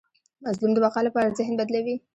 مظلوم د بقا لپاره ذهن بدلوي.